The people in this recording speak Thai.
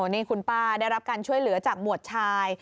นี่คุณป้าได้รับการช่วยเหลือจากหมวดชาย